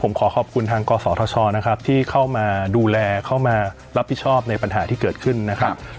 ผมขอขอบคุณทางกศธชนะครับที่เข้ามาดูแลเข้ามารับผิดชอบในปัญหาที่เกิดขึ้นนะครับ